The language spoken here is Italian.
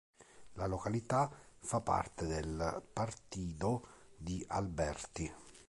La località fa parte del Partido di Alberti.